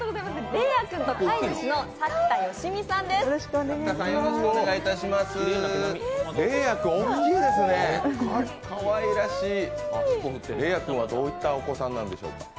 レイアくんはどういったお子さんなんでしょうか？